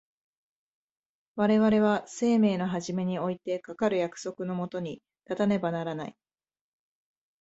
我々は生命の始めにおいてかかる約束の下に立たねばならない。